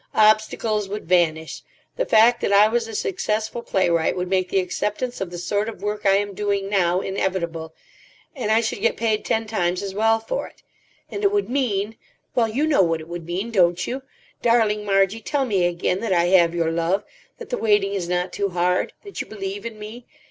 Obstacles would vanish. The fact that I was a successful playwright would make the acceptance of the sort of work I am doing now inevitable, and I should get paid ten times as well for it. And it would mean—well, you know what it would mean, don't you? Darling Margie, tell me again that I have your love, that the waiting is not too hard, that you believe in me.